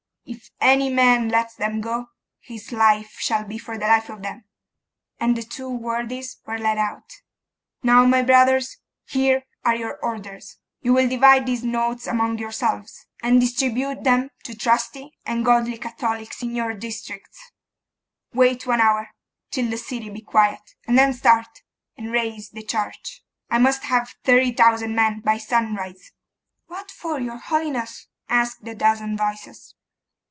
If any man lets them go, his life shall be for the life of them.' And the two worthies were led out. 'Now, my brothers, here are your orders. You will divide these notes among yourselves, and distribute them to trusty and godly Catholics in your districts. Wait one hour, till the city be quiet; and then start, and raise the church. I must have thirty thousand men by sunrise.' 'What for, your holiness?' asked a dozen voices.